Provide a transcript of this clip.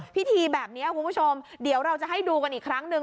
พิธีแบบนี้คุณผู้ชมเดี๋ยวเราจะให้ดูกันอีกครั้งหนึ่ง